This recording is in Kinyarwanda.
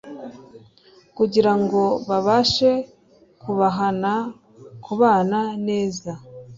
kugirango babashe kubahana kubana neza